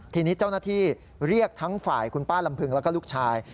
ทีนี้เจ้าหน้าที่เรียกทั้งฝ่ายคุณป้าลำพึงแล้วก็ลูกชาย